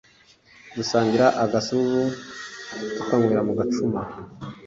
dusangira agasururu tukanywera mu gacuma